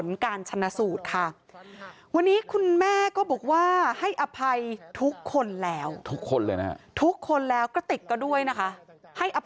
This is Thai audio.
แล้วก็ไม่พบว่ามีการฟันหัดตามที่เป็นข่าวทางโซเชียลก็ไม่พบ